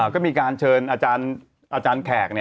ก็มีการเชิญอาจารย์แขก